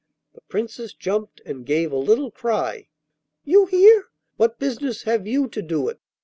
The Princess jumped and gave a little cry. 'You here! What business have you to do it?